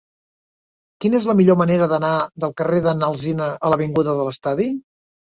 Quina és la millor manera d'anar del carrer de n'Alsina a l'avinguda de l'Estadi?